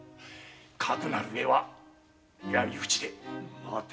かくなる上は闇討ちで。